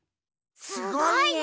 すごいね！